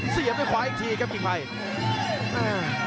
เสียบด้วยขวาอีกทีครับกิ่งไพร